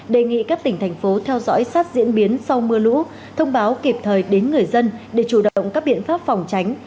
đề nghị các tỉnh thành phố theo dõi sát diễn biến sau mưa lũ thông báo kịp thời đến người dân để chủ động các biện pháp phòng tránh